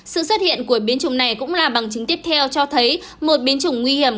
sự xuất hiện của biến chủng này cũng là bằng chứng tiếp theo cho thấy một biến chủng nguy hiểm